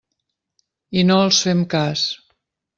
I no els fem cas.